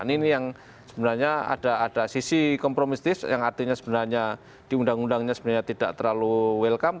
ini yang sebenarnya ada sisi kompromistis yang artinya sebenarnya di undang undangnya sebenarnya tidak terlalu welcome